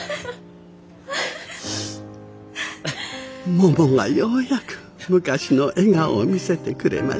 ももがようやく昔の笑顔を見せてくれました。